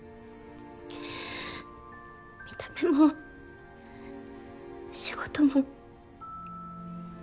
見た目も仕事も。